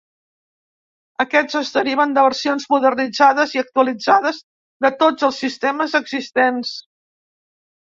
Aquests es deriven de versions modernitzades i actualitzades de tots els sistemes existents.